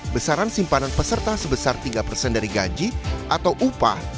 besaran simpanan peserta sebesar tiga persen dari gaji atau upah